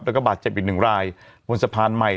แล้วก็บาดเจ็บอีกหนึ่งรายบนสะพานใหม่